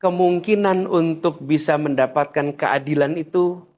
kemungkinan untuk bisa mendapatkan keadilan itu